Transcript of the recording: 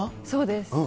そうです。